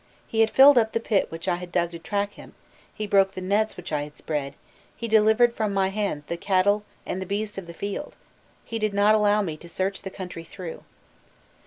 He had filled up the pit which I had dug to trap him, he broke the nets which I had spread, he delivered from my hands the cattle and the beasts of the field, he did not allow me to search the country through."